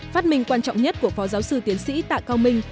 phát minh quan trọng nhất của phó giáo sư tiến sĩ tạ cao minh